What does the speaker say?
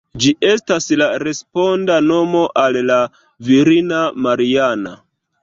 Ĝi estas la responda nomo al la virina Mariana.